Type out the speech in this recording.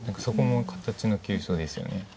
そこも形の急所ですよね。